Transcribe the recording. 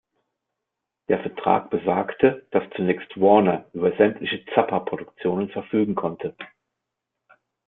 Der Vertrag besagte, dass zunächst Warner über sämtliche Zappa-Produktionen verfügen konnte.